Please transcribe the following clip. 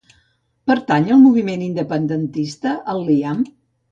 Pertany al moviment independentista el Liam?